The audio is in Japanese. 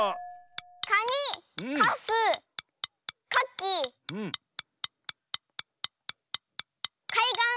「かに」「かす」「かき」「かいがん」。